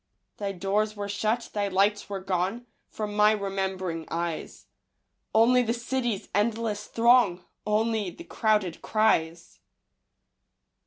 Thy doors were shut; thy lights were gone From my remembering eyes. Only the city's endless throng! Only the crowded cries!